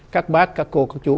các bác các cô các chú